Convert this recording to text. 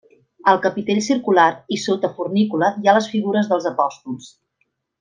Al capitell circular i sota fornícula hi ha les figures dels apòstols.